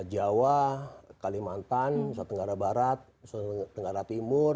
jawa kalimantan nusa tenggara barat nusa tenggara timur